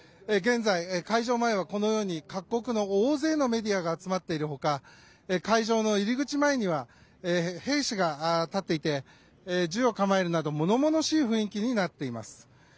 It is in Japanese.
現在、会場前はこのように各国の大勢のメディアが集まっている他会場の入り口前には兵士が立っていて銃を構えるなど物々しい雰囲気になっています。